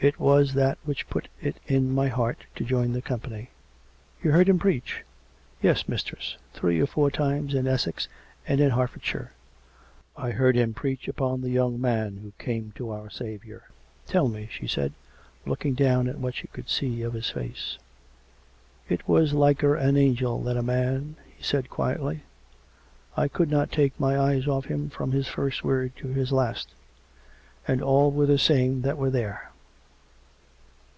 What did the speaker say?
It was that which put it in my heart to join the company." COME RACK! COME ROPE! 199 " You heard him preach? "" Yes, mistress ; three or four times in Essex and Hert fordshire. I heard him preach upon the young man who came to our Saviour." " Tell me," she said, looking down at what she could see of his face. " It was liker an angel than a man," he said quietly. " I could not take my eyes off him from his first word to the last. And all were the same that were there."